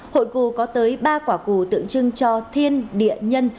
hội cù có tới ba quả cù tượng trưng cho thiên địa nhân